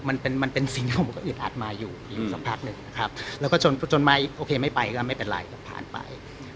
มันเป็นสิ่งที่ผมอึดอัดมาอยู่สักพักหนึ่งนะครับแล้วก็จนไม่ไปก็ไม่เป็นไรก็ผ่านไป